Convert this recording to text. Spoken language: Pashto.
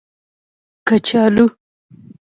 🥔 کچالو